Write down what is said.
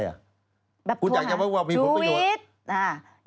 คุณอยากจะไว้ว่ามีผลประโยชน์